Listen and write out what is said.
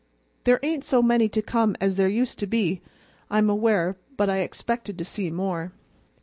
"There ain't so many to come as there used to be, I'm aware, but I expected to see more."